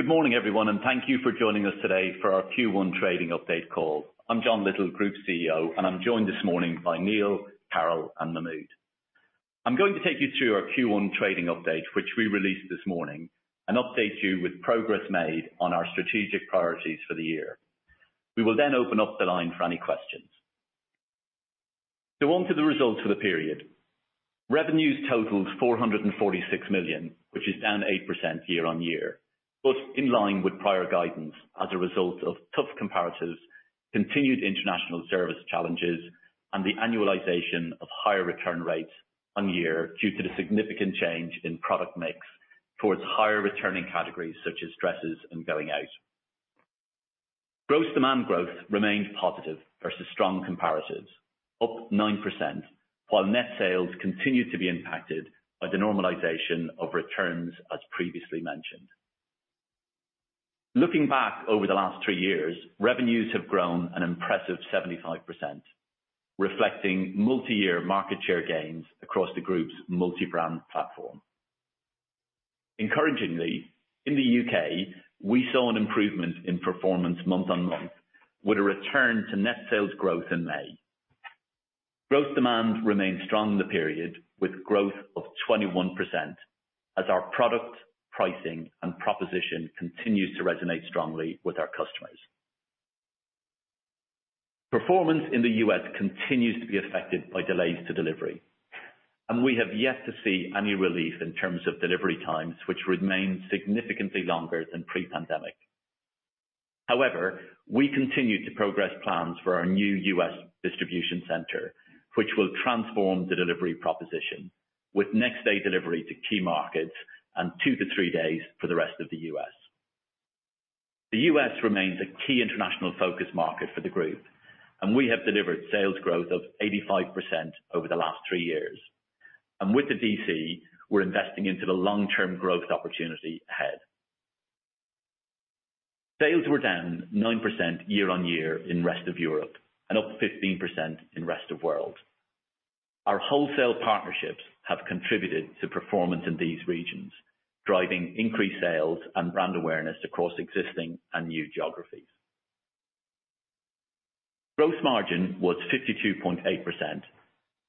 Good morning, everyone, and thank you for joining us today for our Q1 Trading Update Call. I'm John Lyttle, Group CEO, and I'm joined this morning by Neil, Carol, and Mahmud. I'm going to take you through our Q1 trading update, which we released this morning, and update you with progress made on our strategic priorities for the year. We will then open up the line for any questions. On to the results for the period. Revenues totaled 446 million, which is down 8% year-on-year, but in line with prior guidance as a result of tough comparatives, continued international service challenges, and the annualization of higher return rates year-on-year due to the significant change in product mix towards higher returning categories such as dresses and going out. Gross demand growth remained positive versus strong comparatives, up 9%, while net sales continued to be impacted by the normalization of returns, as previously mentioned. Looking back over the last three years, revenues have grown an impressive 75%, reflecting multi-year market share gains across the group's multi-brand platform. Encouragingly, in the U.K., we saw an improvement in performance month-on-month with a return to net sales growth in May. Gross demand remained strong in the period with growth of 21% as our product, pricing, and proposition continues to resonate strongly with our customers. Performance in the U.S. continues to be affected by delays to delivery, and we have yet to see any relief in terms of delivery times, which remain significantly longer than pre-pandemic. However, we continue to progress plans for our new U.S. distribution center, which will transform the delivery proposition with next day delivery to key markets and two to three days for the rest of the U.S. The U.S. remains a key international focus market for the group, and we have delivered sales growth of 85% over the last three years. With the DC, we're investing into the long-term growth opportunity ahead. Sales were down 9% year-on-year in rest of Europe and up 15% in rest of world. Our wholesale partnerships have contributed to performance in these regions, driving increased sales and brand awareness across existing and new geographies. Gross margin was 52.8%,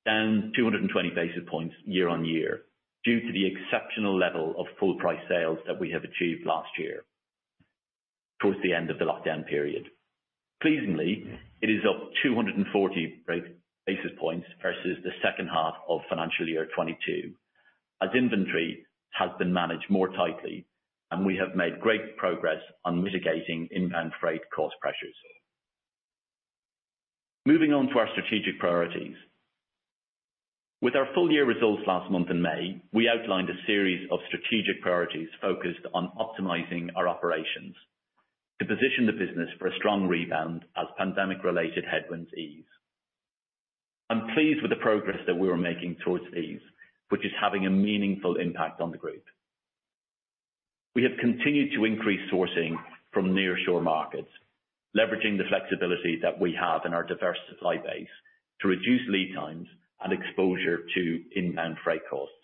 down 220 basis points year-on-year due to the exceptional level of full price sales that we have achieved last year towards the end of the lockdown period. Pleasingly, it is up 240 basis points versus the second half of financial year 2022, as inventory has been managed more tightly and we have made great progress on mitigating inbound freight cost pressures. Moving on to our strategic priorities. With our full year results last month in May, we outlined a series of strategic priorities focused on optimizing our operations to position the business for a strong rebound as pandemic-related headwinds ease. I'm pleased with the progress that we are making towards these, which is having a meaningful impact on the group. We have continued to increase sourcing from near-shore markets, leveraging the flexibility that we have in our diverse supply base to reduce lead times and exposure to inbound freight costs.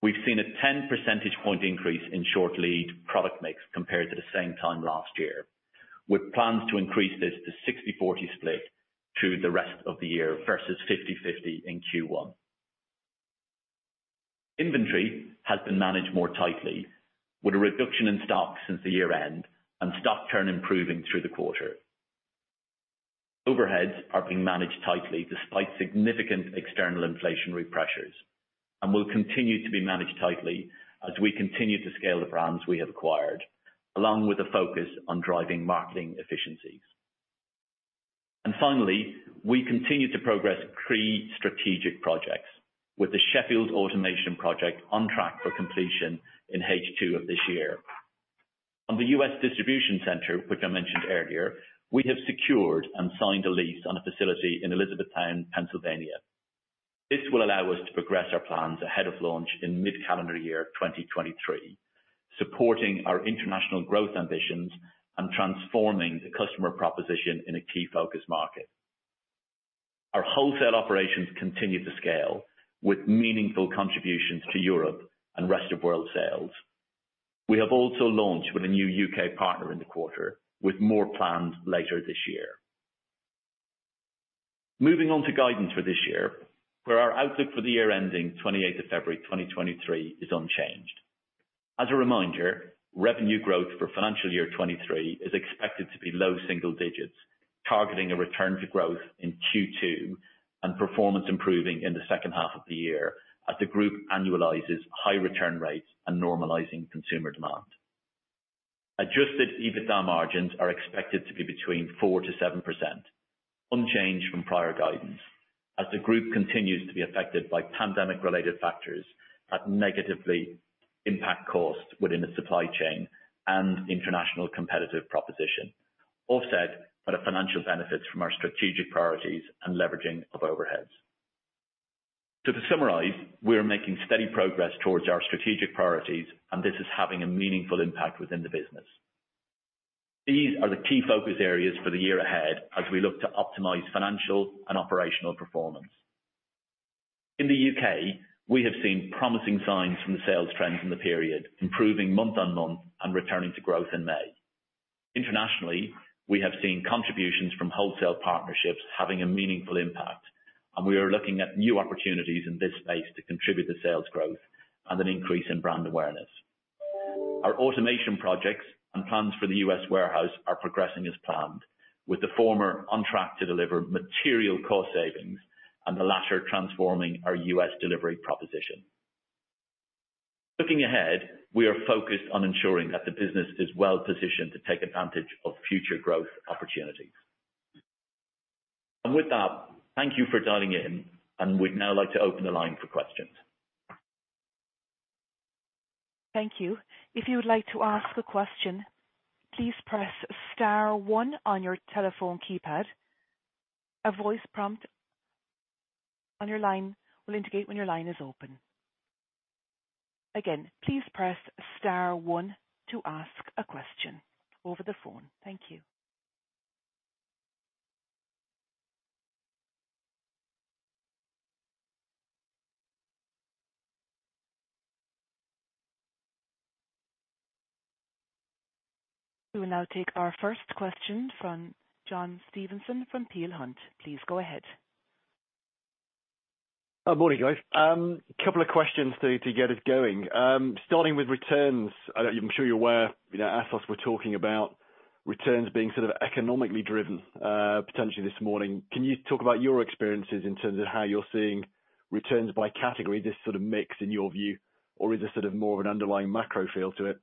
We've seen a 10 percentage point increase in short lead product mix compared to the same time last year, with plans to increase this to 60-40 split through the rest of the year versus 50-50 in Q1. Inventory has been managed more tightly with a reduction in stock since the year end and stock turn improving through the quarter. Overheads are being managed tightly despite significant external inflationary pressures, and will continue to be managed tightly as we continue to scale the brands we have acquired, along with a focus on driving marketing efficiencies. Finally, we continue to progress key strategic projects with the Sheffield automation project on track for completion in H2 of this year. On the U.S. distribution center, which I mentioned earlier, we have secured and signed a lease on a facility in Elizabethtown, Pennsylvania. This will allow us to progress our plans ahead of launch in mid-calendar year 2023, supporting our international growth ambitions and transforming the customer proposition in a key focus market. Our wholesale operations continue to scale with meaningful contributions to Europe and rest of world sales. We have also launched with a new U.K. partner in the quarter, with more plans later this year. Moving on to guidance for this year, where our outlook for the year ending 28th of February 2023 is unchanged. As a reminder, revenue growth for financial year 2023 is expected to be low single digits, targeting a return to growth in Q2 and performance improving in the second half of the year as the group annualizes high return rates and normalizing consumer demand. Adjusted EBITDA margins are expected to be between 4%-7%, unchanged from prior guidance as the group continues to be affected by pandemic related factors that negatively impact costs within the supply chain and international competitive proposition, offset by the financial benefits from our strategic priorities and leveraging of overheads. To summarize, we are making steady progress towards our strategic priorities and this is having a meaningful impact within the business. These are the key focus areas for the year ahead as we look to optimize financial and operational performance. In the U.K., we have seen promising signs from the sales trends in the period, improving month on month and returning to growth in May. Internationally, we have seen contributions from wholesale partnerships having a meaningful impact, and we are looking at new opportunities in this space to contribute to sales growth and an increase in brand awareness. Our automation projects and plans for the U.S. warehouse are progressing as planned with the former on track to deliver material cost savings and the latter transforming our U.S. delivery proposition. Looking ahead, we are focused on ensuring that the business is well-positioned to take advantage of future growth opportunities. With that, thank you for dialing in, and we'd now like to open the line for questions. Thank you. If you would like to ask a question, please press star one on your telephone keypad. A voice prompt on your line will indicate when your line is open. Again, please press star one to ask a question over the phone. Thank you. We will now take our first question from John Stevenson from Peel Hunt. Please go ahead. Morning, guys. Couple of questions to get us going. Starting with returns. I know, I'm sure you're aware, you know, ASOS were talking about returns being sort of economically driven, potentially this morning. Can you talk about your experiences in terms of how you're seeing returns by category, this sort of mix in your view, or is this sort of more of an underlying macro feel to it?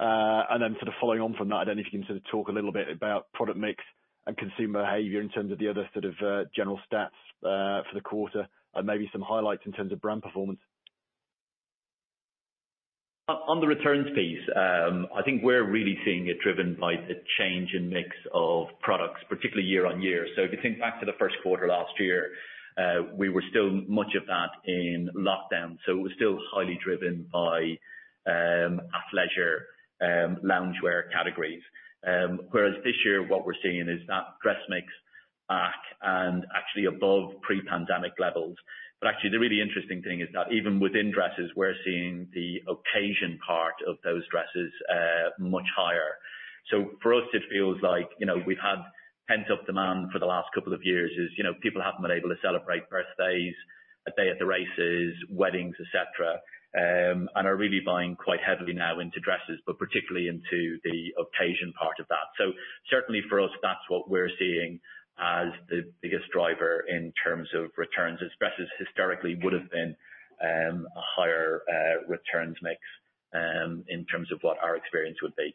Sort of following on from that, I don't know if you can sort of talk a little bit about product mix and consumer behavior in terms of the other sort of general stats for the quarter and maybe some highlights in terms of brand performance. On the returns piece, I think we're really seeing it driven by the change in mix of products, particularly year-on-year. If you think back to the first quarter last year, we were still much of that in lockdown, so it was still highly driven by athleisure, loungewear categories. Whereas this year, what we're seeing is that dress mix back and actually above pre-pandemic levels. Actually the really interesting thing is that even within dresses, we're seeing the occasion part of those dresses much higher. For us, it feels like, you know, we've had pent-up demand for the last couple of years as, you know, people haven't been able to celebrate birthdays, a day at the races, weddings, et cetera, and are really buying quite heavily now into dresses, but particularly into the occasion part of that. Certainly for us, that's what we're seeing as the biggest driver in terms of returns as dresses historically would've been a higher returns mix in terms of what our experience would be.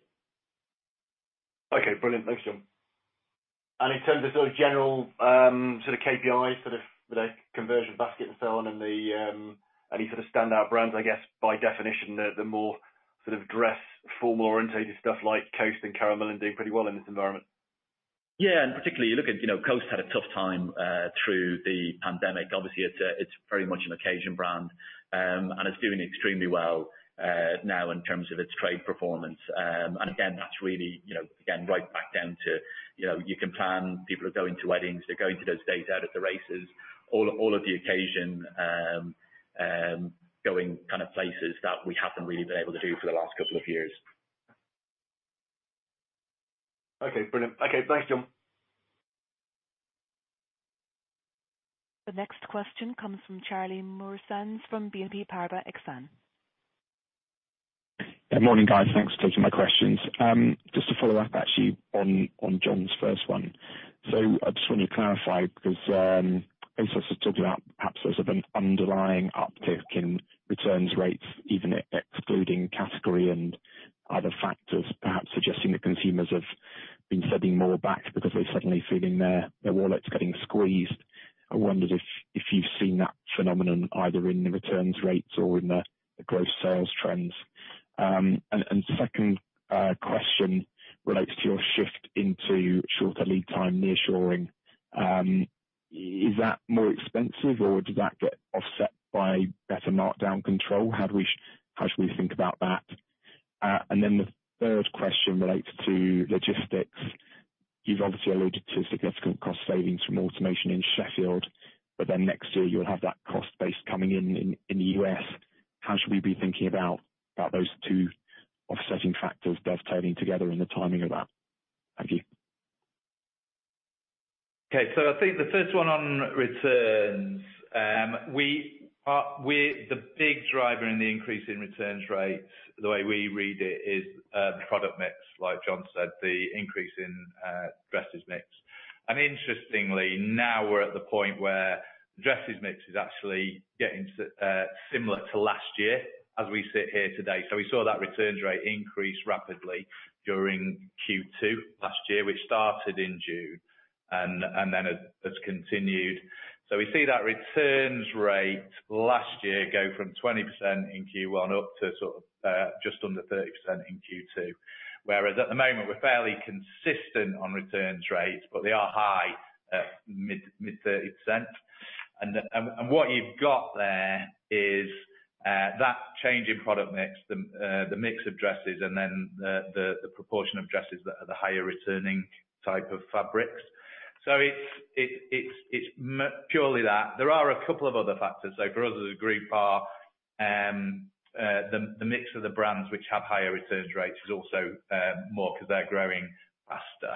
Okay, brilliant. Thanks, John. In terms of sort of general, sort of KPIs, sort of the conversion basket and so on and the, any sort of standout brands, I guess by definition, the more sort of dress formal oriented stuff like Coast and Karen Millen are doing pretty well in this environment. Yeah, particularly you look at, you know, Coast had a tough time through the pandemic. Obviously it's very much an occasion brand, and it's doing extremely well now in terms of its trade performance. Again, that's really, you know, again, right back down to, you know, you can plan, people are going to weddings, they're going to those days out at the races, all of the occasion going kind of places that we haven't really been able to do for the last couple of years. Okay, brilliant. Okay, thanks, John. The next question comes from Charlie Muir-Sands from BNP Paribas Exane. Good morning, guys. Thanks for taking my questions. Just to follow up actually on John's first one. I just wonder if you clarify 'cause ASOS has talked about perhaps there's been an underlying uptick in returns rates even excluding category and other factors, perhaps suggesting that consumers have been sending more back because they're suddenly feeling their wallets getting squeezed. I wondered if you've seen that phenomenon either in the returns rates or in the gross sales trends. Second question relates to your shift into shorter lead time nearshoring. Is that more expensive or does that get offset by better markdown control? How should we think about that? Then the third question relates to logistics. You've obviously alluded to significant cost savings from automation in Sheffield, but then next year you'll have that cost base coming in the U.S. How should we be thinking about those two offsetting factors dovetailing together and the timing of that? Thank you. I think the first one on returns. The big driver in the increase in returns rates, the way we read it is, the product mix, like John said, the increase in dresses mix. Interestingly, now we're at the point where dresses mix is actually getting similar to last year as we sit here today. We saw that returns rate increase rapidly during Q2 last year, which started in June and then has continued. We see that returns rate last year go from 20% in Q1 up to sort of just under 30% in Q2. Whereas at the moment we're fairly consistent on returns rates, but they are high at mid 30%. What you've got there is that change in product mix, the mix of dresses and then the proportion of dresses that are the higher returning type of fabrics. It's purely that. There are a couple of other factors, growth as a group are the mix of the brands which have higher return rates is also more because they're growing faster.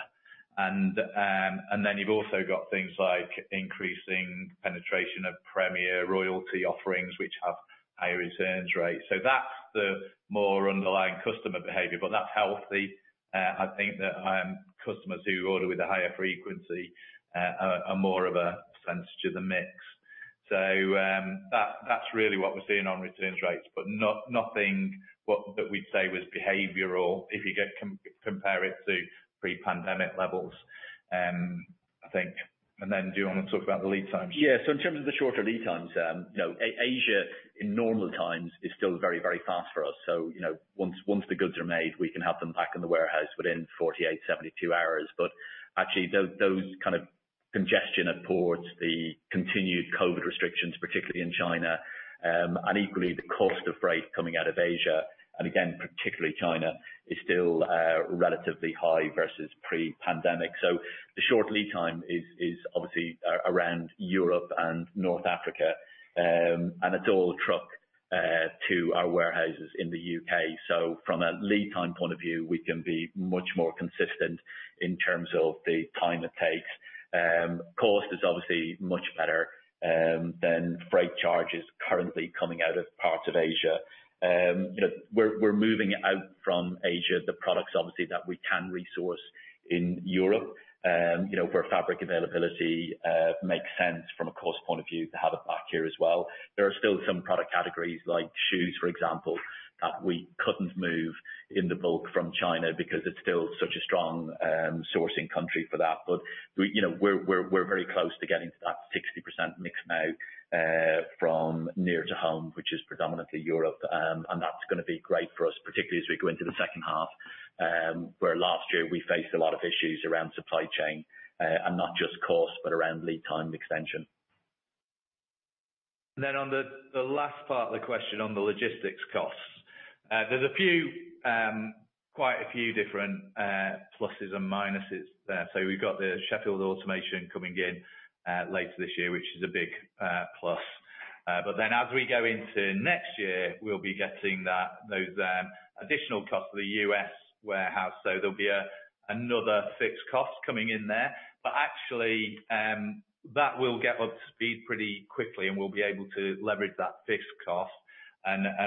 Then you've also got things like increasing penetration of premier loyalty offerings, which have higher return rates. That's the more underlying customer behavior, but that's healthy. I think that customers who order with a higher frequency are more of a percentage of the mix. That's really what we're seeing on return rates, but nothing that we'd say was behavioral, if you compare it to pre-pandemic levels, I think. Do you wanna talk about the lead times? Yeah. In terms of the shorter lead times, you know, Asia in normal times is still very, very fast for us. You know, once the goods are made, we can have them back in the warehouse within 48, 72 hours. But actually, those kind of congestion at ports, the continued COVID restrictions, particularly in China, and equally the cost of freight coming out of Asia, and again, particularly China, is still relatively high versus pre-pandemic. The short lead time is obviously around Europe and North Africa. And it's all by truck to our warehouses in the U.K. From a lead time point of view, we can be much more consistent in terms of the time it takes. Cost is obviously much better than freight charges currently coming out of parts of Asia. You know, we're moving it out from Asia, the products obviously that we can resource in Europe. You know, for fabric availability, makes sense from a cost point of view to have it back here as well. There are still some product categories like shoes, for example, that we couldn't move in the bulk from China because it's still such a strong sourcing country for that. But you know, we're very close to getting to that 60% mix now, from near to home, which is predominantly Europe. That's gonna be great for us, particularly as we go into the second half, where last year we faced a lot of issues around supply chain, and not just cost, but around lead time extension. On the last part of the question on the logistics costs, there's a few, quite a few different pluses and minuses there. We've got the Sheffield automation coming in later this year, which is a big plus. As we go into next year, we'll be getting those additional costs for the U.S. warehouse. There'll be another fixed cost coming in there. Actually, that will get up to speed pretty quickly, and we'll be able to leverage that fixed cost.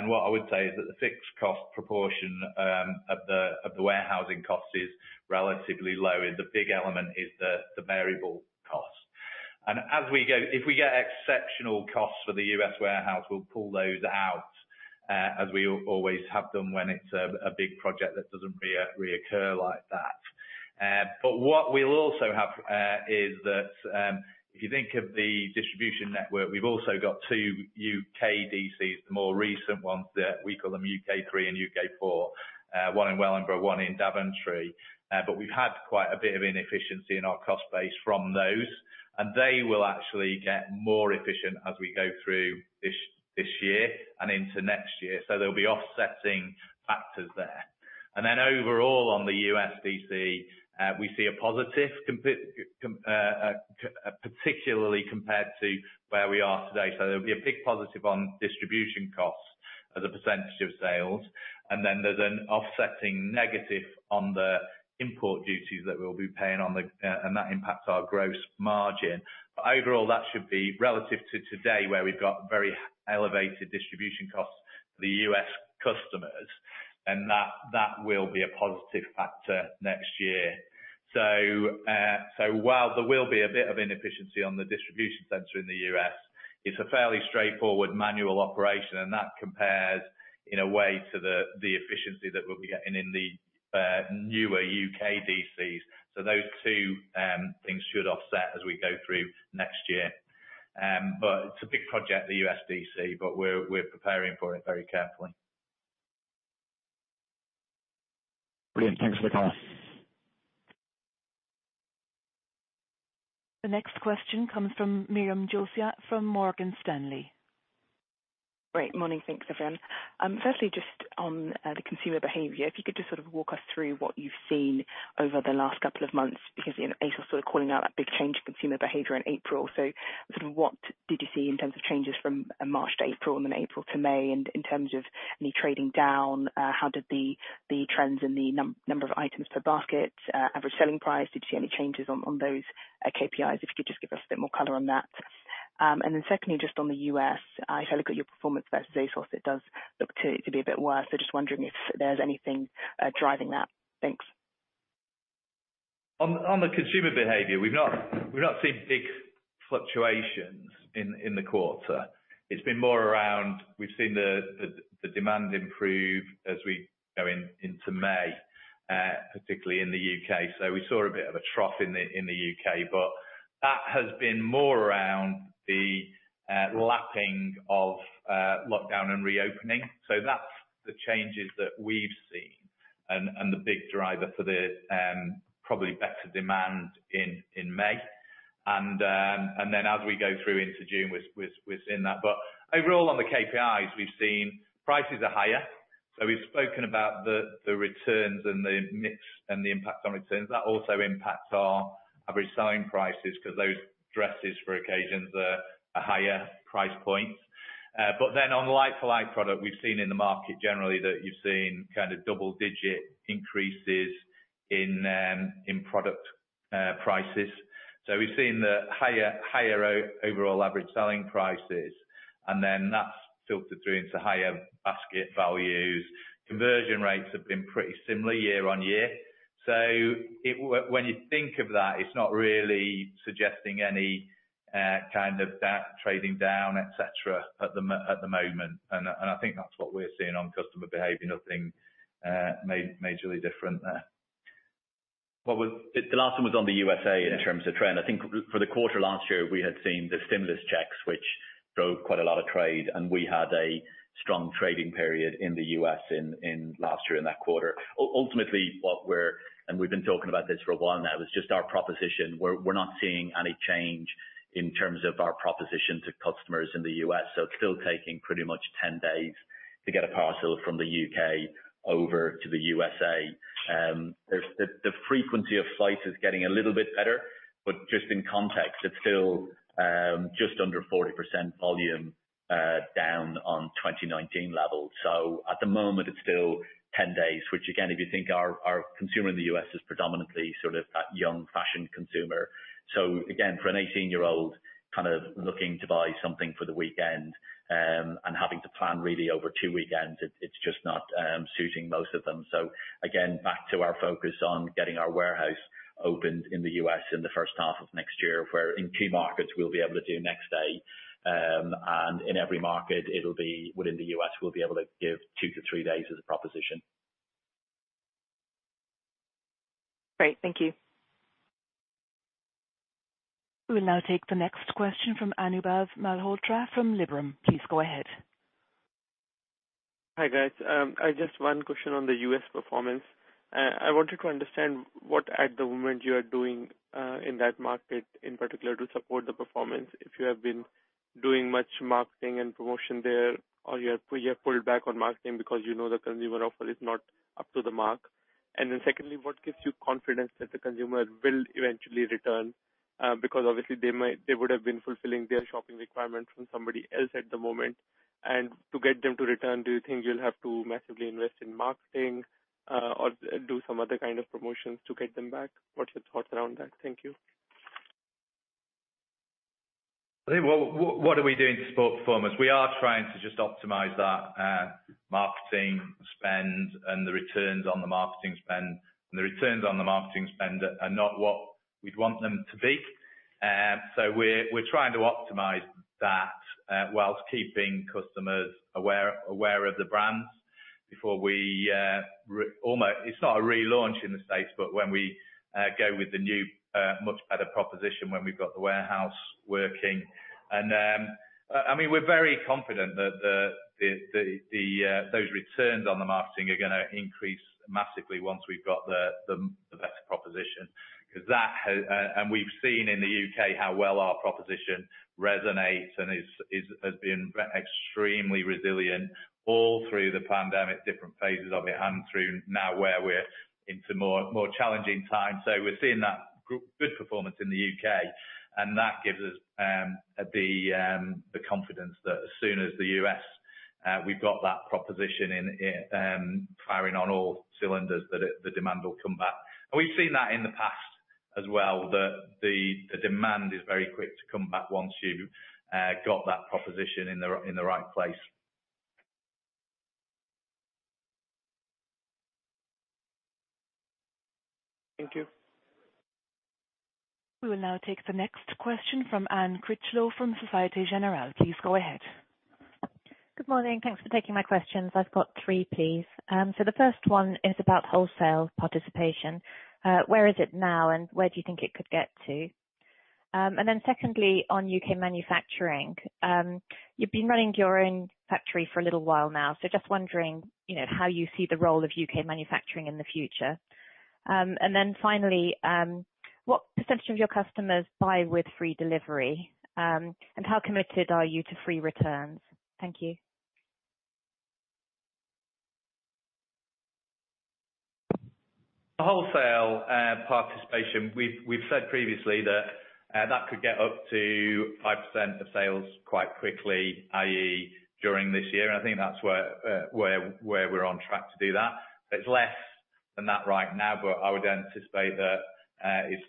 What I would say is that the fixed cost proportion of the warehousing costs is relatively low, and the big element is the variable cost. As we go, if we get exceptional costs for the U.S. warehouse, we'll pull those out, as we always have done when it's a big project that doesn't reoccur like that. But what we'll also have is that, if you think of the distribution network, we've also got two U.K. DCs, the more recent ones that we call them U.K. 3 and U.K. 4, one in Wellingborough, one in Daventry. But we've had quite a bit of inefficiency in our cost base from those, and they will actually get more efficient as we go through this year and into next year. There'll be offsetting factors there. Overall on the U.S. DC, we see a positive comp, particularly compared to where we are today. There'll be a big positive on distribution costs as a percentage of sales. Then there's an offsetting negative on the import duties that we'll be paying and that impacts our gross margin. Overall, that should be relative to today, where we've got very elevated distribution costs for the U.S. customers, and that will be a positive factor next year. While there will be a bit of inefficiency on the distribution center in the U.S., it's a fairly straightforward manual operation, and that compares in a way to the efficiency that we'll be getting in the newer U.K. DCs. Those two things should offset as we go through next year. It's a big project, the U.S. DC, but we're preparing for it very carefully. Brilliant. Thanks for the call. The next question comes from Myriam Jollet from Morgan Stanley. Great. Morning. Thanks, everyone. Firstly, just on the consumer behavior, if you could just sort of walk us through what you've seen over the last couple of months, because, you know, ASOS was calling out that big change in consumer behavior in April. Sort of what did you see in terms of changes from March to April and then April to May? In terms of any trading down, how did the trends in the number of items per basket, average selling price, did you see any changes on those KPIs? If you could just give us a bit more color on that. Secondly, just on the U.S., if I look at your performance versus ASOS, it does look to be a bit worse. Just wondering if there's anything driving that. Thanks. On the consumer behavior, we've not seen big fluctuations in the quarter. It's been more around we've seen the demand improve as we go into May, particularly in the U.K. We saw a bit of a trough in the U.K., but that has been more around the lapping of lockdown and reopening. That's the changes that we've seen. The big driver for the probably better demand in May. As we go through into June, we're seeing that. Overall on the KPIs, we've seen prices are higher, so we've spoken about the returns and the mix and the impact on returns. That also impacts our average selling prices because those dresses for occasions are higher price points. On the like-for-like product, we've seen in the market generally that you've seen kind of double-digit increases in product prices. We've seen the higher overall average selling prices, and then that's filtered through into higher basket values. Conversion rates have been pretty similar year-on-year. When you think of that, it's not really suggesting any kind of that trading down, et cetera, at the moment. I think that's what we're seeing on customer behavior, nothing majorly different there. The last one was on the U.S. in terms of trend. I think for the quarter last year, we had seen the stimulus checks, which drove quite a lot of trade, and we had a strong trading period in the U.S. in last year in that quarter. Ultimately, what we've been talking about this for a while now is just our proposition. We're not seeing any change in terms of our proposition to customers in the U.S., so it's still taking pretty much 10 days to get a parcel from the U.K. over to the U.S. The frequency of flights is getting a little bit better, but just in context, it's still just under 40% volume down on 2019 levels. At the moment, it's still 10 days which again, if you think our consumer in the U.S. is predominantly sort of that young fashion consumer. Again, for an 18-year-old kind of looking to buy something for the weekend, and having to plan really over two weekends, it's just not suiting most of them. Again, back to our focus on getting our warehouse opened in the U.S. in the first half of next year, where in key markets we'll be able to do next day. In every market, it'll be within the U.S., we'll be able to give two to three days as a proposition. Great. Thank you. We will now take the next question from Anubhav Malhotra from Liberum. Please go ahead. Hi, guys. I just one question on the U.S. performance. I wanted to understand what, at the moment, you are doing in that market in particular to support the performance. If you have been doing much marketing and promotion there, or you have pulled back on marketing because you know the consumer offer is not up to the mark. Then secondly, what gives you confidence that the consumers will eventually return? Because obviously, they would have been fulfilling their shopping requirement from somebody else at the moment. To get them to return, do you think you'll have to massively invest in marketing or do some other kind of promotions to get them back? What's your thoughts around that? Thank you. I think what are we doing to support performance? We are trying to just optimize our marketing spend and the returns on the marketing spend. The returns on the marketing spend are not what we'd want them to be. So we're trying to optimize that while keeping customers aware of the brands before we go with the new much better proposition when we've got the warehouse working. I mean, we're very confident that those returns on the marketing are gonna increase massively once we've got the best proposition. We've seen in the U.K. how well our proposition resonates and has been extremely resilient all through the pandemic, different phases of it, and through now where we're into more challenging times. We're seeing that good performance in the U.K., and that gives us the confidence that as soon as the U.S. we've got that proposition in firing on all cylinders, that the demand will come back. We've seen that in the past as well, the demand is very quick to come back once you got that proposition in the right place. Thank you. We will now take the next question from Anne Critchlow from Société Générale. Please go ahead. Good morning. Thanks for taking my questions. I've got three, please. The first one is about wholesale participation. Where is it now, and where do you think it could get to? Secondly, on U.K. manufacturing, you've been running your own factory for a little while now. Just wondering, you know, how you see the role of U.K. manufacturing in the future. Finally, what percentage of your customers buy with free delivery? How committed are you to free returns? Thank you. The wholesale participation, we've said previously that that could get up to 5% of sales quite quickly, i.e., during this year. I think that's where we're on track to do that. It's less than that right now, but I would anticipate that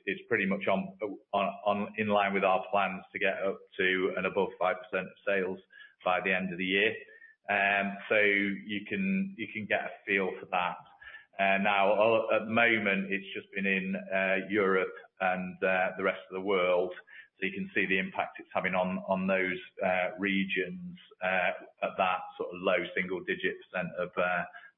it's pretty much on in line with our plans to get up to and above 5% of sales by the end of the year. You can get a feel for that. Now at the moment, it's just been in Europe and the rest of the world. You can see the impact it's having on those regions at that sort of low single-digit of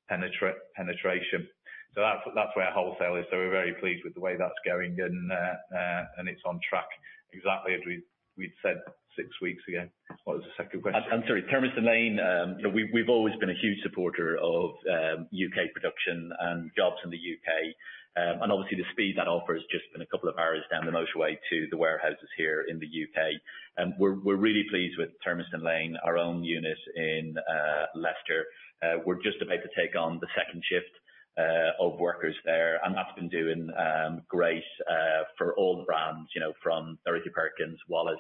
penetration. That's where our wholesale is. We're very pleased with the way that's going and it's on track exactly as we'd said six weeks ago. What was the second question? I'm sorry. You know, we've always been a huge supporter of U.K. production and jobs in the U.K. Obviously the speed it offers is just a couple of hours down the motorway to the warehouses here in the U.K. We're really pleased with Thurmaston Lane, our own unit in Leicester. We're just about to take on the second shift of workers there. That's been doing great for all the brands, you know, from Dorothy Perkins, Wallis,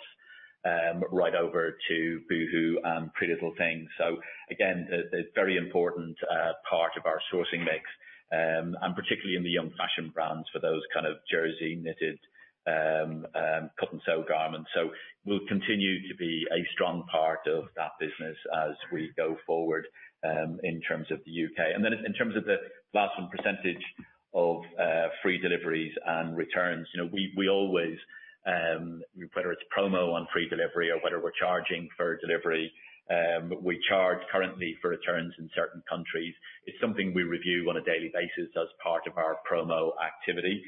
right over to boohoo and PrettyLittleThing. Again, the very important part of our sourcing mix, and particularly in the young fashion brands for those kind of jersey knitted cut-and-sew garments. We'll continue to be a strong part of that business as we go forward, in terms of the U.K. Then in terms of the last one, percentage of free deliveries and returns. You know, we always, whether it's promo on free delivery or whether we're charging for delivery, we charge currently for returns in certain countries. It's something we review on a daily basis as part of our promo activity.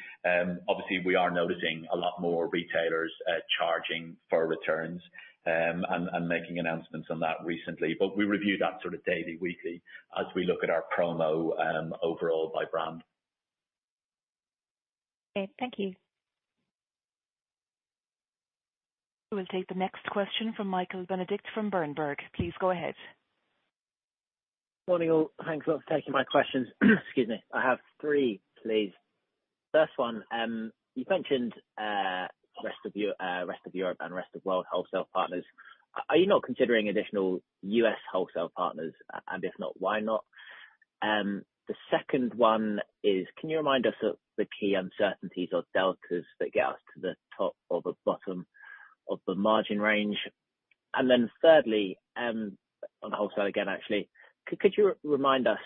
Obviously we are noticing a lot more retailers, charging for returns, and making announcements on that recently. We review that sort of daily, weekly as we look at our promo, overall by brand. Okay, thank you. We'll take the next question from Michael Benedict from Berenberg. Please go ahead. Morning, all. Thanks a lot for taking my questions. Excuse me. I have three, please. First one, you mentioned, rest of Europe and rest of world wholesale partners. Are you not considering additional U.S. wholesale partners? If not, why not? The second one is, can you remind us of the key uncertainties or deltas that get us to the top or the bottom of the margin range? Thirdly, on the wholesale again, actually, could you remind us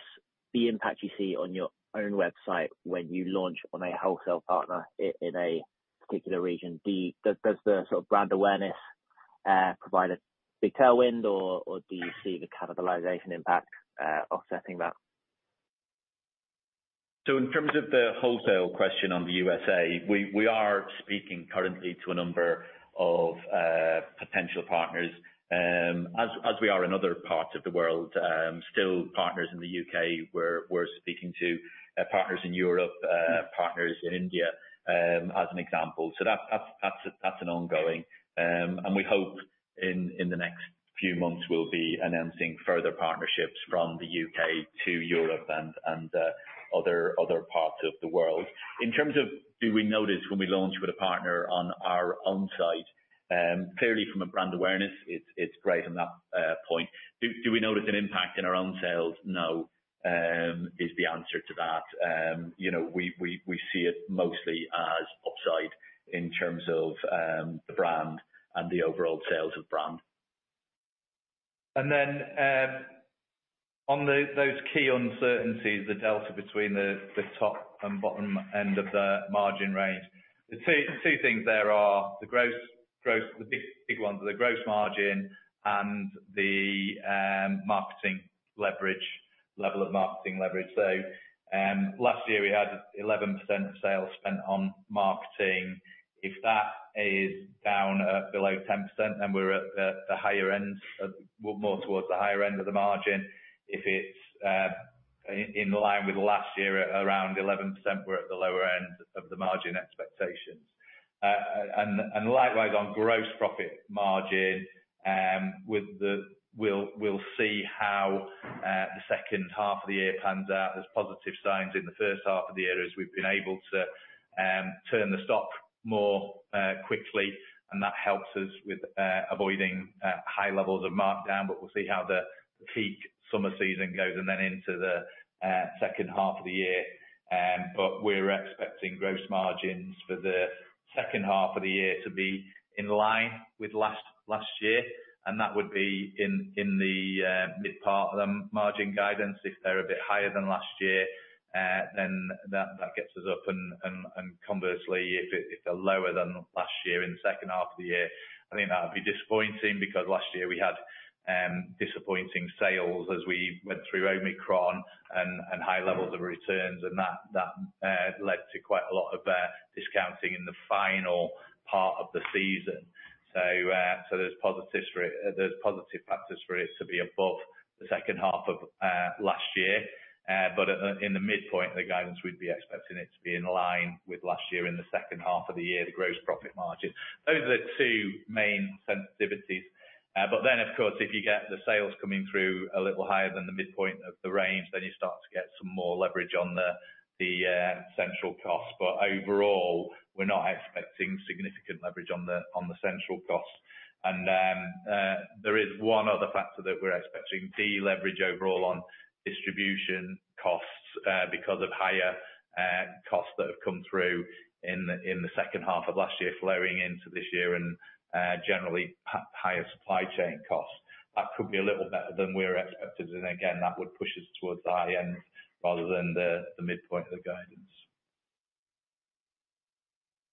the impact you see on your own website when you launch on a wholesale partner in a particular region? Does the sort of brand awareness provide a big tailwind or do you see the cannibalization impact offsetting that? In terms of the wholesale question on the USA, we are speaking currently to a number of potential partners, as we are in other parts of the world. Still partners in the U.K. We're speaking to partners in Europe, partners in India, as an example. That's an ongoing. We hope in the next few months we'll be announcing further partnerships from the U.K. to Europe and other parts of the world. In terms of do we notice when we launch with a partner on our own site, clearly from a brand awareness, it's great on that point. Do we notice an impact in our own sales? No, is the answer to that. You know, we see it mostly as upside in terms of the brand and the overall sales of brand. Then, on those key uncertainties, the delta between the top and bottom end of the margin range. The two things there are the gross margin and the marketing leverage. Level of marketing leverage. Last year we had 11% of sales spent on marketing. If that is down at below 10%, then we're at the higher end, more towards the higher end of the margin. If it's in line with last year at around 11%, we're at the lower end of the margin expectations. And likewise on gross profit margin. We'll see how the second half of the year pans out. There's positive signs in the first half of the year as we've been able to turn the stock more quickly, and that helps us with avoiding high levels of markdown. We'll see how the peak summer season goes and then into the second half of the year. We're expecting gross margins for the second half of the year to be in line with last year, and that would be in the mid part of the margin guidance. If they're a bit higher than last year, then that gets us up. Conversely, if they're lower than last year in the second half of the year, I think that would be disappointing because last year we had disappointing sales as we went through Omicron and high levels of returns and that led to quite a lot of discounting in the final part of the season. There's positives for it. There's positive factors for it to be above the second half of last year. But in the midpoint of the guidance, we'd be expecting it to be in line with last year in the second half of the year, the gross profit margin. Those are the two main sensitivities. Of course, if you get the sales coming through a little higher than the midpoint of the range, then you start to get some more leverage on the central cost. Overall, we're not expecting significant leverage on the central cost. There is one other factor that we're expecting. Deleverage overall on distribution costs, because of higher costs that have come through in the second half of last year flowing into this year and generally higher supply chain costs. That could be a little better than we're expecting. Again, that would push us towards the high end rather than the midpoint of the guidance.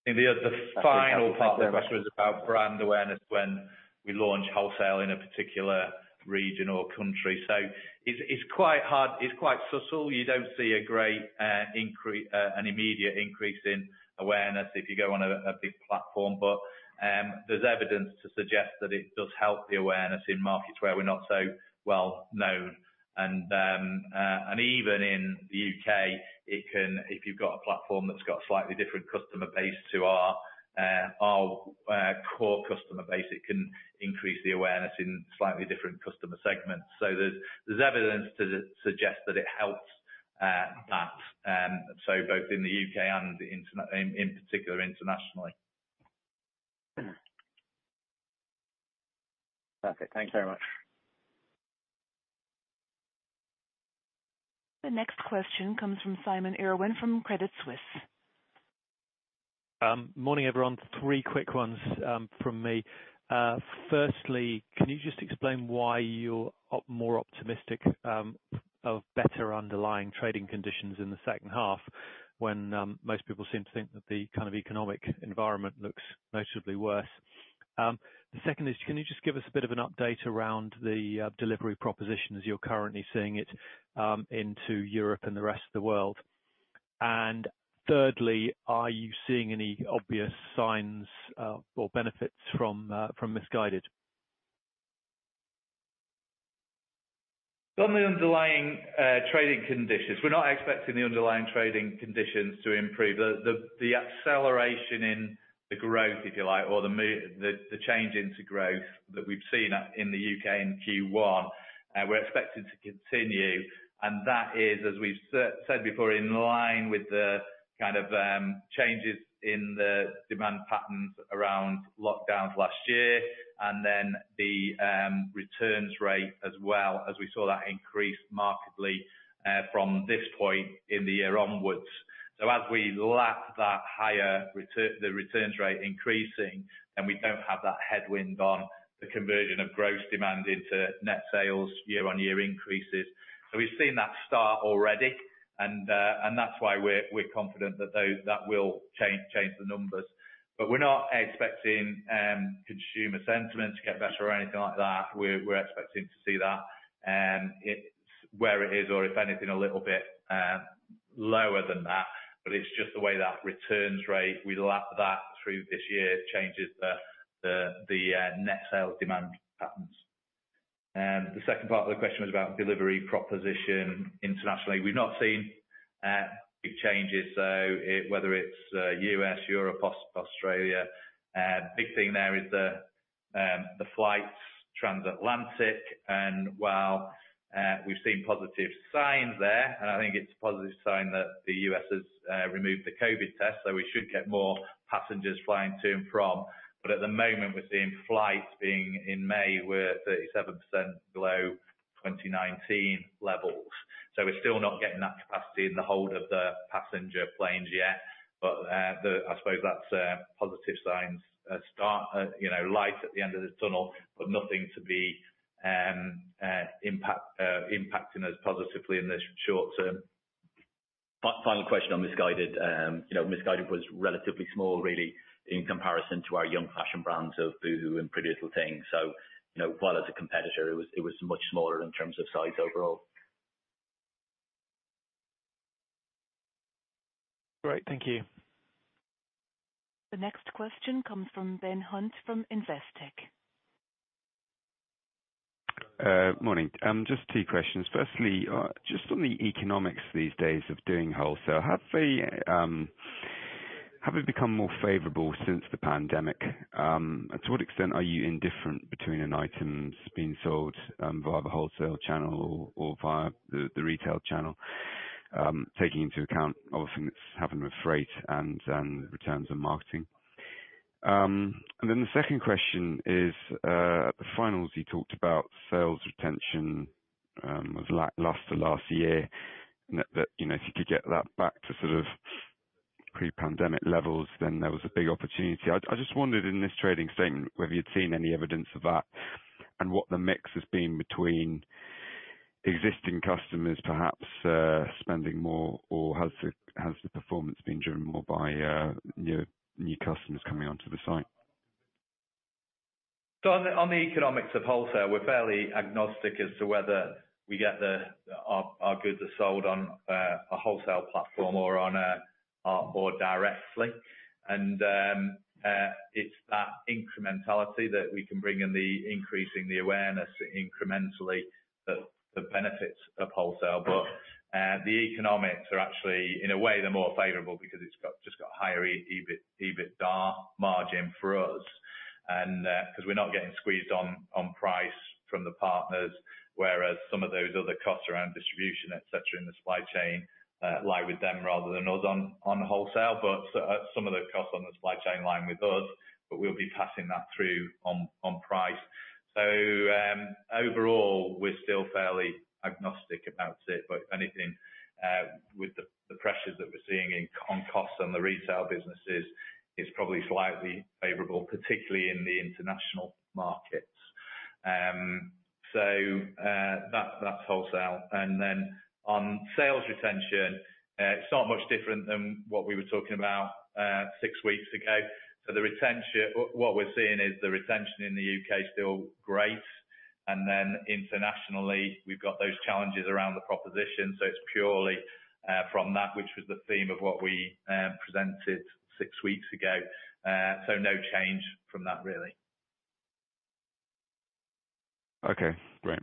I think the final part of the question was about brand awareness when we launch wholesale in a particular region or country. It's quite hard. It's quite subtle. You don't see a great immediate increase in awareness if you go on a big platform. There's evidence to suggest that it does help the awareness in markets where we're not so well-known. Even in the U.K., it can if you've got a platform that's got slightly different customer base to our core customer base. It can increase the awareness in slightly different customer segments. There's evidence to suggest that it helps both in the U.K. and, in particular, internationally. Perfect. Thank you very much. The next question comes from Simon Irwin from Credit Suisse. Morning, everyone. Three quick ones from me. Firstly, can you just explain why you're more optimistic of better underlying trading conditions in the second half when most people seem to think that the kind of economic environment looks notably worse? The second is, can you just give us a bit of an update around the delivery proposition as you're currently seeing it into Europe and the rest of the world? Thirdly, are you seeing any obvious signs or benefits from Missguided? On the underlying trading conditions, we're not expecting the underlying trading conditions to improve. The acceleration in the growth, if you like, or the change into growth that we've seen in the U.K. in Q1, we expect to continue, and that is, as we've said before, in line with the kind of changes in the demand patterns around lockdowns last year and then the returns rate as well, as we saw that increase markedly from this point in the year onwards. As we lap that higher return, the returns rate increasing, then we don't have that headwind on the conversion of gross demand into net sales year-on-year increases. We've seen that start already, and that's why we're confident that that will change the numbers. We're not expecting consumer sentiment to get better or anything like that. We're expecting to see that it's where it is or if anything a little bit lower than that, but it's just the way that returns rate we lap that through this year it changes the net sales demand patterns. The second part of the question was about delivery proposition internationally. We've not seen big changes, so whether it's U.S., Europe, Australia. Big thing there is the transatlantic flights, and while we've seen positive signs there, and I think it's a positive sign that the U.S. has removed the COVID test, so we should get more passengers flying to and from. At the moment we're seeing flights being in May. We're at 37% below 2019 levels. We're still not getting that capacity in the hold of the passenger planes yet, but, I suppose that's a positive signs, you know, light at the end of the tunnel, but nothing to be impacting us positively in the short term. Final question on Missguided. You know, Missguided was relatively small really in comparison to our young fashion brands of boohoo and PrettyLittleThing. You know, while as a competitor, it was much smaller in terms of size overall. Great. Thank you. The next question comes from Ben Hunt from Investec. Morning. Just two questions. Firstly, just on the economics these days of doing wholesale, have they become more favorable since the pandemic? To what extent are you indifferent between an item's being sold via the wholesale channel or via the retail channel, taking into account all the things that's happened with freight and returns and marketing? The second question is, at the finals, you talked about sales retention lost last year and that, you know, if you could get that back to sort of pre-pandemic levels, then there was a big opportunity. I just wondered in this trading statement whether you'd seen any evidence of that and what the mix has been between existing customers perhaps spending more, or has the performance been driven more by new customers coming onto the site? On the economics of wholesale, we're fairly agnostic as to whether our goods are sold on a wholesale platform or directly. It's that incrementality that we can bring in increasing the awareness incrementally that benefits the wholesale. The economics are actually more favorable in a way because it's just got higher EBITDA margin for us because we're not getting squeezed on price from the partners, whereas some of those other costs around distribution, et cetera, in the supply chain lie with them rather than us on wholesale. Some of the costs on the supply chain lie with us, but we'll be passing that through on price. Overall, we're still fairly agnostic about it, but if anything, with the pressures that we're seeing on costs and the retail businesses is probably slightly favorable, particularly in the international markets. That's wholesale. Then on sales retention, it's not much different than what we were talking about six weeks ago. The retention, what we're seeing is the retention in the U.K. is still great. Internationally, we've got those challenges around the proposition. It's purely from that, which was the theme of what we presented six weeks ago. No change from that, really. Okay, great.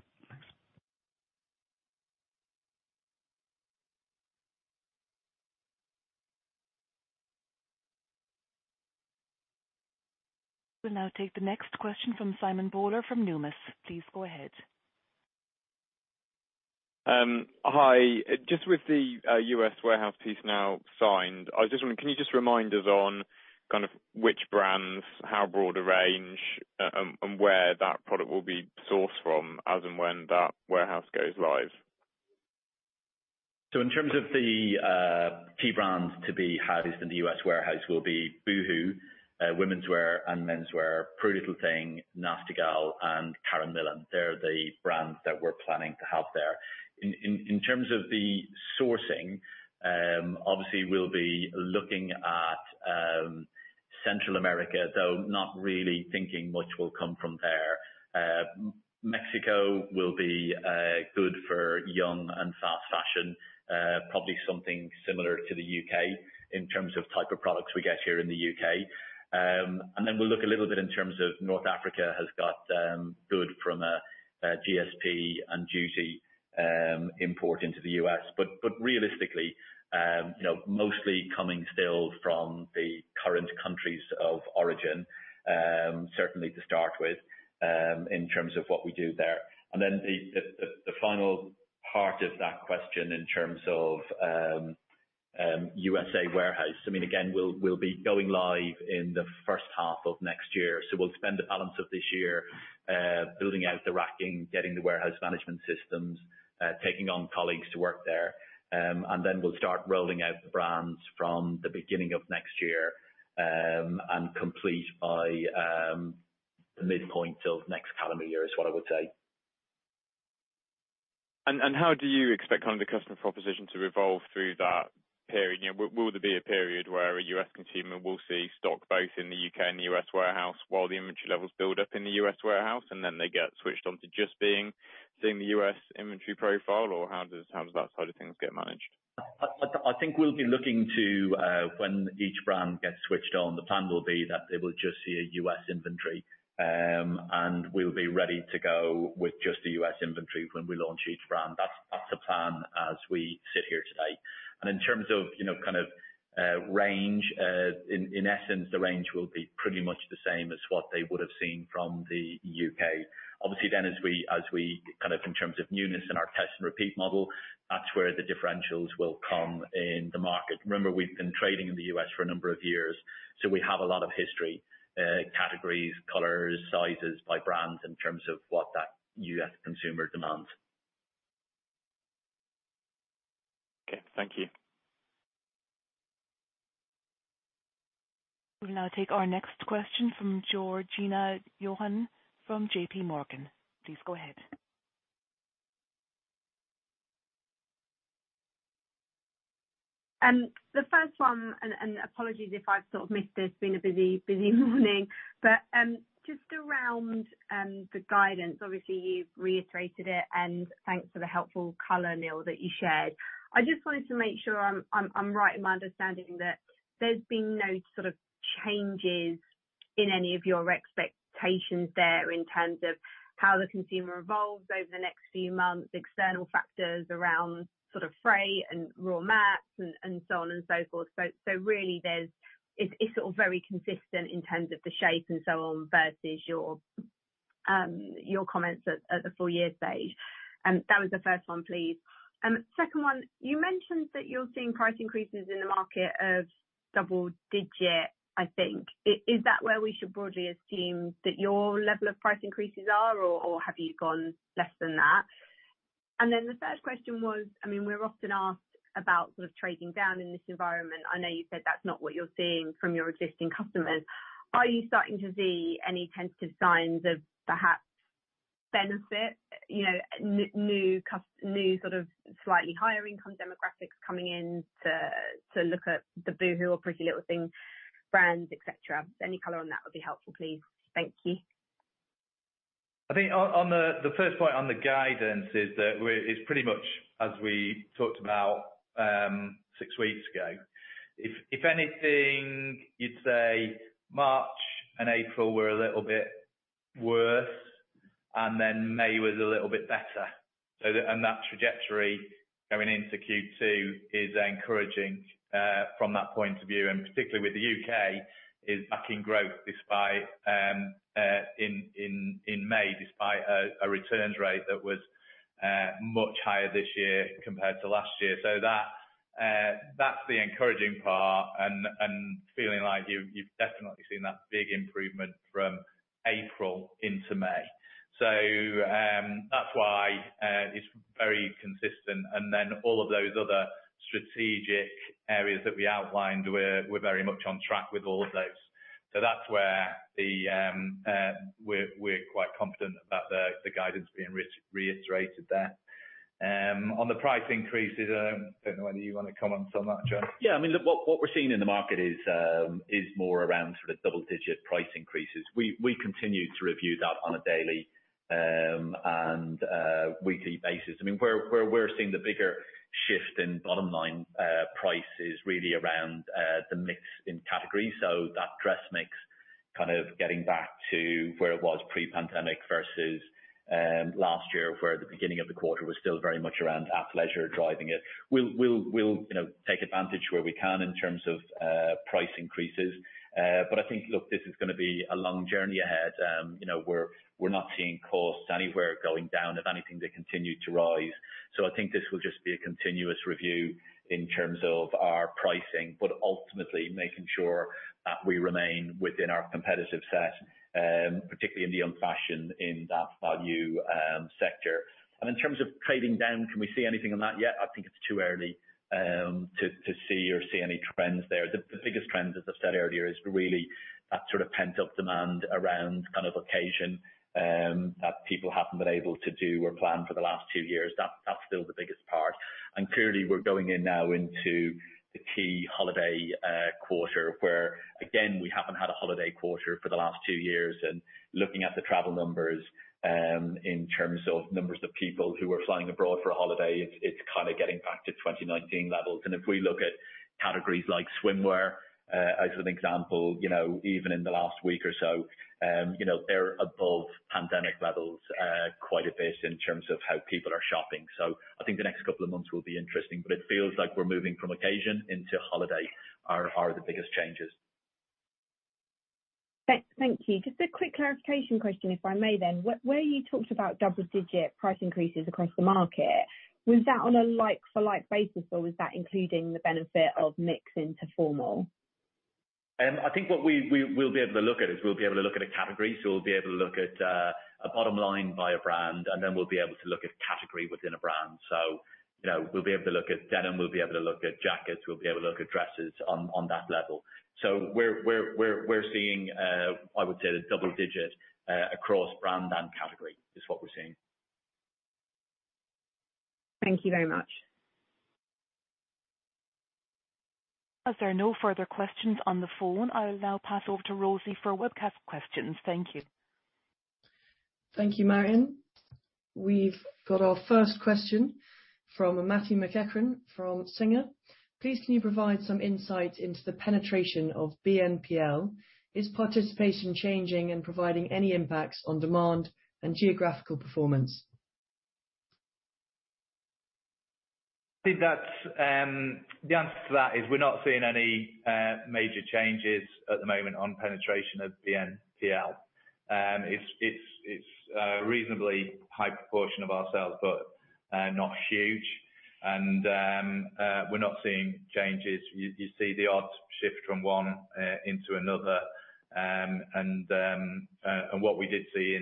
Thanks. We'll now take the next question from Simon Bowler from Numis. Please go ahead. Hi. Just with the, U.S. warehouse piece now signed, I was just wondering, can you just remind us on kind of which brands, how broad a range, and where that product will be sourced from as and when that warehouse goes live? In terms of the key brands to be housed in the US warehouse will be boohoo, womenswear and menswear, PrettyLittleThing, Nasty Gal, and Karen Millen. They're the brands that we're planning to have there. In terms of the sourcing, obviously we'll be looking at Central America, though not really thinking much will come from there. Mexico will be good for young and fast fashion, probably something similar to the U.K. in terms of type of products we get here in the U.K. And then we'll look a little bit in terms of North Africa has got good from a GSP and duty import into the U.S. Realistically, you know, mostly coming still from the current countries of origin, certainly to start with, in terms of what we do there. The final part of that question in terms of USA warehouse. I mean, again, we'll be going live in the first half of next year. We'll spend the balance of this year building out the racking, getting the warehouse management systems, taking on colleagues to work there. We'll start rolling out the brands from the beginning of next year, and complete by the midpoint of next calendar year is what I would say. How do you expect kind of the customer proposition to evolve through that period? You know, will there be a period where a U.S. consumer will see stock both in the U.K. and the U.S. warehouse while the inventory levels build up in the U.S. warehouse, and then they get switched on to just being, seeing the U.S. inventory profile? Or how does that side of things get managed? I think we'll be looking to when each brand gets switched on. The plan will be that they will just see a U.S. inventory, and we'll be ready to go with just the U.S. inventory when we launch each brand. That's the plan as we sit here today. In terms of, you know, kind of range, in essence, the range will be pretty much the same as what they would have seen from the U.K. Obviously, then as we kind of in terms of newness in our test and repeat model, that's where the differentials will come in the market. Remember, we've been trading in the U.S. for a number of years, so we have a lot of history, categories, colors, sizes by brands in terms of what that U.S. consumer demands. Okay, thank you. We'll now take our next question from Georgina Johanan from J.P. Morgan. Please go ahead. The first one, apologies if I've sort of missed this, been a busy morning. Just around the guidance, obviously you've reiterated it, and thanks for the helpful color, Neil, that you shared. I just wanted to make sure I'm right in my understanding that there's been no sort of changes in any of your expectations there in terms of how the consumer evolves over the next few months, external factors around sort of freight and raw materials and so on and so forth. So really, there's. It's all very consistent in terms of the shape and so on versus your comments at the full year stage. That was the first one, please. Second one, you mentioned that you're seeing price increases in the market of double-digit, I think. Is that where we should broadly assume that your level of price increases are, or have you gone less than that? The third question was, I mean, we're often asked about sort of trading down in this environment. I know you said that's not what you're seeing from your existing customers. Are you starting to see any tentative signs of perhaps benefit, you know, new sort of slightly higher income demographics coming in to look at the boohoo or PrettyLittleThing brands, et cetera? Any color on that would be helpful, please. Thank you. I think on the first point on the guidance is that it's pretty much as we talked about six weeks ago. If anything, you'd say March and April were a little bit worse, and then May was a little bit better. That trajectory going into Q2 is encouraging from that point of view, and particularly with the U.K. is backing growth despite in May, despite a returns rate that was much higher this year compared to last year. That's the encouraging part and feeling like you've definitely seen that big improvement from April into May. That's why it's very consistent. Then all of those other strategic areas that we outlined, we're very much on track with all of those. That's where we're quite confident about the guidance being reiterated there. On the price increases, I don't know whether you wanna comment on that, John. Yeah. I mean, look, what we're seeing in the market is more around sort of double-digit price increases. We continue to review that on a daily and a weekly basis. I mean, where we're seeing the bigger shift in bottom line price is really around the mix in category, so that dress mix kind of getting back to where it was pre-pandemic versus last year, where the beginning of the quarter was still very much around athleisure driving it. We'll, you know, take advantage where we can in terms of price increases. But I think, look, this is gonna be a long journey ahead. You know, we're not seeing costs anywhere going down. If anything, they continue to rise. I think this will just be a continuous review in terms of our pricing, but ultimately making sure that we remain within our competitive set, particularly in the young fashion, in that value sector. In terms of trading down, can we see anything on that yet? I think it's too early to see any trends there. The biggest trend, as I said earlier, is really that sort of pent-up demand around kind of occasion that people haven't been able to do or plan for the last two years. That's still the biggest part. Clearly, we're going in now into the key holiday quarter, where, again, we haven't had a holiday quarter for the last two years. Looking at the travel numbers, in terms of numbers of people who are flying abroad for a holiday, it's kinda getting back to 2019 levels. If we look at categories like swimwear, as an example, you know, even in the last week or so, you know, they're above pandemic levels, quite a bit in terms of how people are shopping. I think the next couple of months will be interesting, but it feels like we're moving from occasion into holiday wear are the biggest changes. Thank you. Just a quick clarification question, if I may then. Where you talked about double-digit price increases across the market, was that on a like for like basis, or was that including the benefit of mix into formal? I think what we will be able to look at is we'll be able to look at a category. We'll be able to look at a bottom line by a brand, and then we'll be able to look at category within a brand. You know, we'll be able to look at denim, we'll be able to look at jackets, we'll be able to look at dresses on that level. We're seeing, I would say the double-digit across brand and category is what we're seeing. Thank you very much. As there are no further questions on the phone, I'll now pass over to Rosie for webcast questions. Thank you. Thank you, Marion. We've got our first question from Matthew McEachran from Singer. Please, can you provide some insight into the penetration of BNPL? Is participation changing and providing any impacts on demand and geographical performance? I think that's. The answer to that is we're not seeing any major changes at the moment on penetration of BNPL. It's a reasonably high proportion of our sales, but not huge. We're not seeing changes. You see the odds shift from one into another. What we did see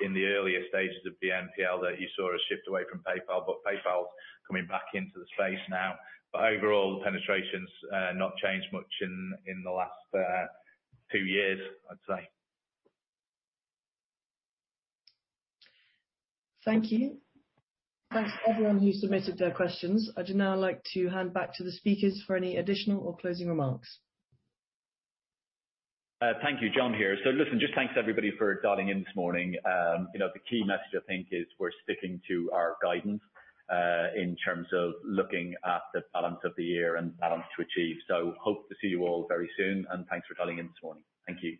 in the earlier stages of BNPL that you saw a shift away from PayPal, but PayPal's coming back into the space now. Overall, the penetration's not changed much in the last two years, I'd say. Thank you. Thanks everyone who submitted their questions. I'd now like to hand back to the speakers for any additional or closing remarks. Thank you. John here. Listen, just thanks everybody for dialing in this morning. You know, the key message I think is we're sticking to our guidance, in terms of looking at the balance of the year and balance to achieve. Hope to see you all very soon and thanks for dialing in this morning. Thank you.